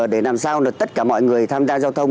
để làm sao tất cả mọi người tham gia giao thông